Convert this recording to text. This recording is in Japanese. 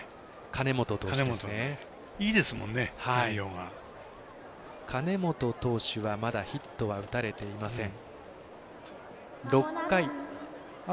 金本投手はまだヒットは打たれていません。